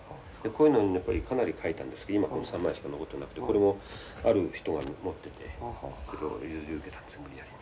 こういうのにかなり描いたんですけど今これ３枚しか残ってなくてこれもある人が持っててそれを譲り受けたんです無理やり。